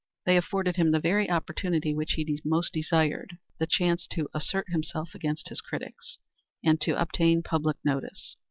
They afforded him the very opportunity which he most desired the chance to assert himself against his critics, and to obtain public notice.